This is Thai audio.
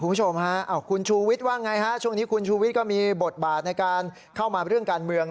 คุณผู้ชมฮะคุณชูวิทย์ว่าไงฮะช่วงนี้คุณชูวิทย์ก็มีบทบาทในการเข้ามาเรื่องการเมือง